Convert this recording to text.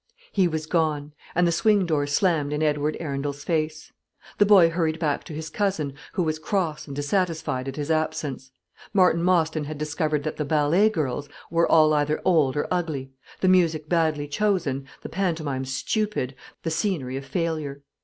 He was gone, and the swing door slammed in Edward Arundel's face. The boy hurried back to his cousin, who was cross and dissatisfied at his absence. Martin Mostyn had discovered that the ballet girls were all either old or ugly, the music badly chosen, the pantomime stupid, the scenery a failure.